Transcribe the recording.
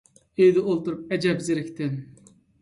ئۆيدە ئولتۇرۇپ ئەجەب زېرىكتىم.